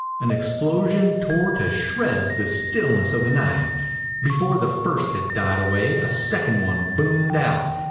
An explosion tore to shreds the stillness of the night. Before the first had died away a second one boomed out.